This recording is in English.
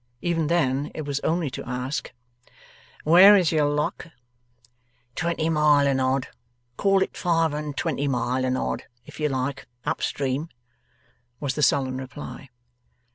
Even then, it was only to ask: 'Where is your Lock?' 'Twenty mile and odd call it five and twenty mile and odd, if you like up stream,' was the sullen reply.